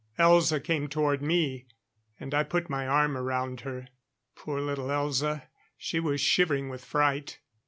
Elza came toward me, and I put my arm around her. Poor little Elza! She was shivering with fright.